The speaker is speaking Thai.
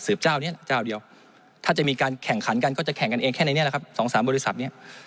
เจ้านี้เจ้าเดียวถ้าจะมีการแข่งขันกันก็จะแข่งกันเองแค่ในนี้แหละครับ๒๓บริษัทนี้